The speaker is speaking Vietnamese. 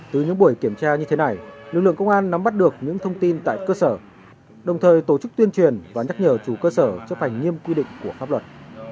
từ những buổi kiểm tra như thế này lực lượng công an nắm bắt được những thông tin tại cơ sở đồng thời tổ chức tuyên truyền và nhắc nhở chủ cơ sở chấp hành nghiêm quy định của pháp luật